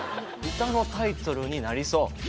歌のタイトルになりそう。